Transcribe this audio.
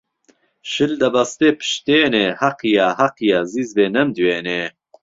شل دەبەستێ پشتێنێ حەقیە حەقیە زیز بێ نەمدوێنێ